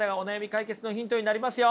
解決のヒントになりますよ。